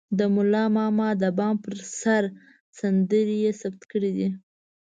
د ملا ماما د بام پر سر سندرې يې ثبت کړې دي.